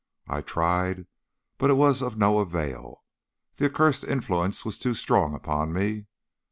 I tried, but it was of no avail. The accursed influence was too strong upon me.